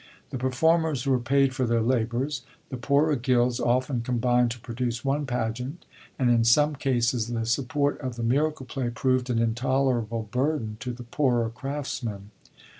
The per formers were paid for their labors. The poorer gilds often combined to produce one pageant, and in some cases the support of the miracle play proved an intolerable burden to the poorer craftsmen.